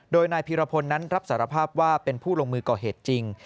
โดยนายพีรพลนั้นรับสารภาพว่าเป็นผู้ลงมือก่อเหตุจริง